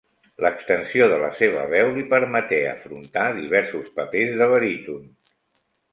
L'extensió de la seva veu li permeté afrontar diversos papers de baríton.